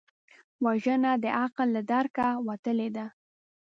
وژنه د عقل له درکه وتلې ده